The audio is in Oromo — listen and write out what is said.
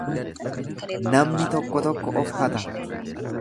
Namni tokko tokko of hata